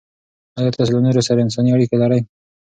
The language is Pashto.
آیا تاسې له نورو سره انساني اړیکې لرئ؟